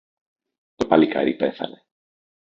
Το παλικάρι πέθανε.